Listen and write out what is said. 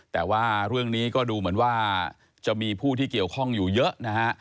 แต่ว่าเรื่องนี้ก็ดูเหมือนว่าจะมีผู้ที่เกี่ยวข้องอยู่เยอะนะฮะ